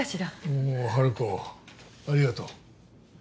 おお春子ありがとう